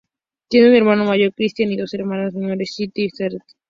Tiene un hermano mayor, Christian, y dos hermanas menores, Stacy y Carrie Beth.